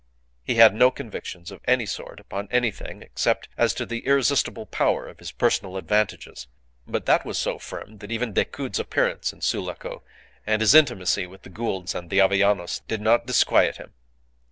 He had no convictions of any sort upon anything except as to the irresistible power of his personal advantages. But that was so firm that even Decoud's appearance in Sulaco, and his intimacy with the Goulds and the Avellanos, did not disquiet him.